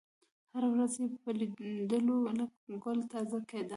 هره ورځ یې په لېدلو لکه ګل تازه کېدمه